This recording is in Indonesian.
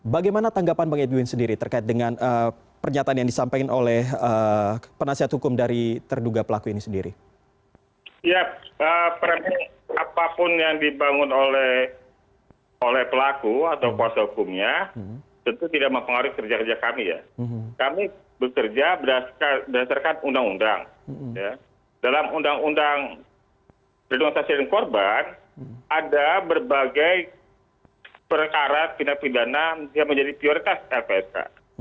dalam undang undang perlindungan saksilin korban ada berbagai perkara pindah pindah yang menjadi prioritas lpsk